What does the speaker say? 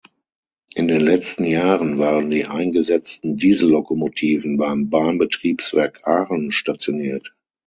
In den letzten Jahren waren die eingesetzten Diesellokomotiven beim Bahnbetriebswerk Aachen stationiert.